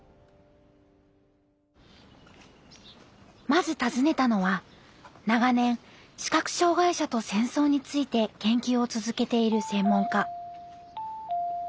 まず訪ねたのは長年視覚障害者と戦争について研究を続けている専門家。